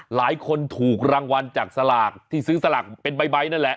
หลายคนถูกรางวัลจากสลากที่ซื้อสลากเป็นใบนั่นแหละ